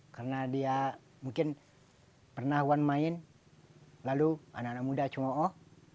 karena dia mungkin pernah wan main lalu anak anak muda cuma oh